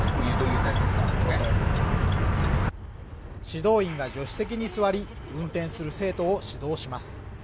指導員が助手席に座り運転する生徒を指導します